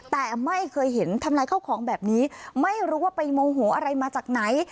แต่ไม่เคยเห็นทำลายข้าวของแบบนี้ไม่รู้ว่าไปโมโหอะไรมาจากไหน